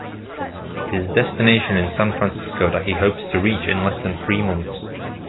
His destination is San Francisco that he hopes to reach in less than three months.